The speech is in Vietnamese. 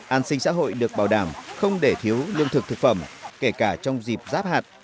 an sinh xã hội được bảo đảm không để thiếu lương thực thực phẩm kể cả trong dịp giáp hạt